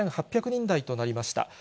７８００人台となりました。